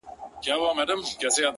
o د گريوان ډورۍ ته دادی ځان ورسپاري،